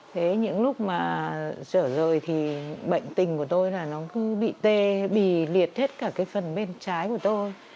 thế những lúc mà trở rồi thì bệnh tình của tôi là nó cứ bị tê bì liệt hết cả cái phần bên trái của tôi